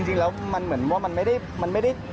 จริงแล้วมันเหมือนว่ามันไม่ได้